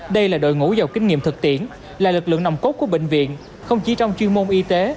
đây là đội ngũ giàu kinh nghiệm thực tiễn là lực lượng nồng cốt của bệnh viện không chỉ trong chuyên môn y tế